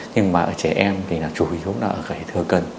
nhưng mà ở trẻ em thì là chủ yếu là ở cái thừa cân